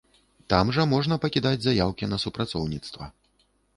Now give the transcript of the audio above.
Там жа можна пакідаць заяўкі на супрацоўніцтва.